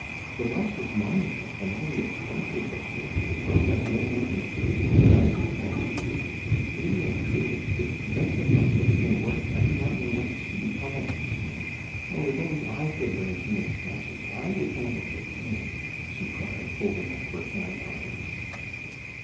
The Marshal's monument, when all the expenses were paid, brought us no more than sixteen thousand francs. Really and truly, if Wenceslas gets no work, I do not know what is to become of us. Oh, if only I could learn to make statues, I would handle the clay!" she cried, holding up her fine arms.